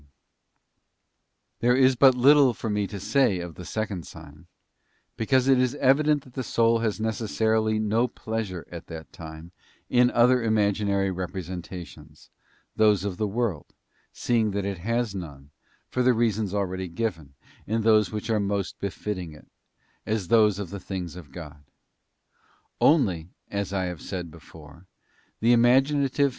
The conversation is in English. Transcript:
_ Secondsign. ۤ There is but little for me to say of the second sign, | because it is evident that the soul has necessarily no plea sure at that time in other imaginary representations, those of the world, seeing that it has none, for the reasons already: given, in those which are most befitting it, as those of the Involnntary things of God. Only, as I have said before, the imaginative painful.